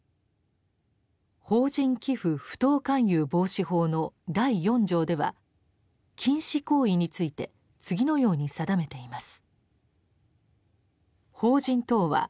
「法人寄附不当勧誘防止法」の第四条では禁止行為について次のように定めています。